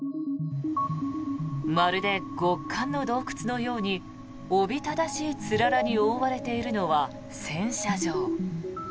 まるで極寒の洞窟のようにおびただしいつららに覆われているのは洗車場。